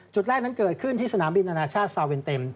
จุดแรกนั้นเกิดขึ้นที่สนามบินอนาชาติซาเวนเต็ม